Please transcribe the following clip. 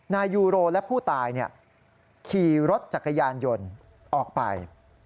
นายยูโรและผู้ตายขี่รถจักรยานยนต์ออกไป